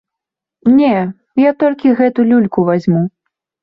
Не, я толькі гэту люльку вазьму.